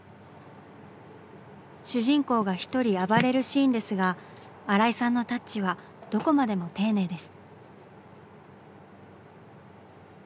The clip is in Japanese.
主人公が一人暴れるシーンですが新井さんのタッチはどこまでも丁寧です。